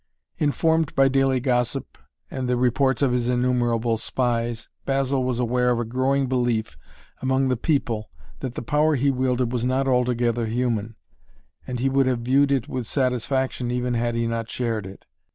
Informed by daily gossip and the reports of his innumerable spies, Basil was aware of a growing belief among the people that the power he wielded was not altogether human, and he would have viewed it with satisfaction even had he not shared it.